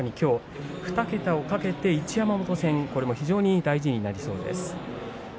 ２桁を懸けて一山本戦これも大事になりそうですね。